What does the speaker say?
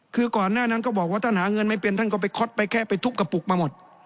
คือก่อนหน้านั้นก็บอกว่าท่านหาเงินไม่เป็นท่านก็ไปค็ตไปแค่ไปทุบกระปุกมาหมด